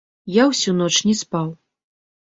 Я ўсю ноч не спаў.